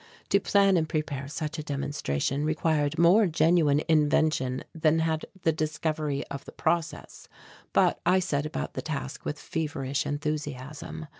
To plan and prepare such a demonstration required more genuine invention than had the discovery of the process, but I set about the task with feverish enthusiasm.